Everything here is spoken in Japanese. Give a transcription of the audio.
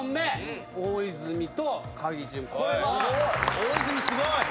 大泉すごい。